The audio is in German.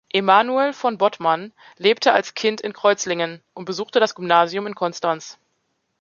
Emanuel von Bodman lebte als Kind in Kreuzlingen und besuchte das Gymnasium in Konstanz.